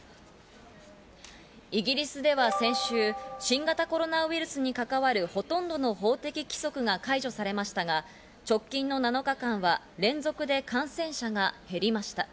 イギリスでは先週、新型コロナウイルスに関わるほとんどの法的規則が解除されましたが、直近の７日間は連続で感染者が減りました。